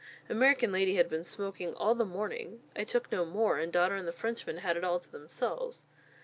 American lady had been smoking all the morning. I took no more; and daughter and the Frenchmen had it all to themselves.